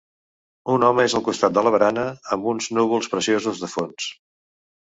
Un home és al costat de la barana amb uns núvols preciosos de fons